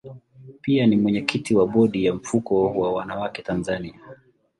Pia ni mwenyekiti wa bodi ya mfuko wa wanawake Tanzania.